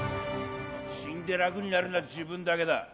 死んで楽になるのは自分だけだ。